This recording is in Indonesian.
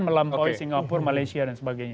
melampaui singapura malaysia dan sebagainya